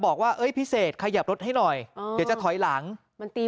บอกว่าเอ้ยพิเศษขยับรถให้หน่อยเดี๋ยวจะถอยหลังมันตี